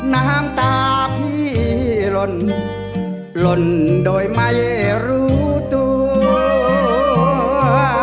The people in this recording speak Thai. น้ำตาพี่หล่นหล่นโดยไม่รู้ตัว